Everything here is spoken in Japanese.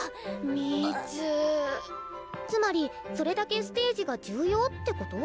つまりそれだけステージが重要ってこと？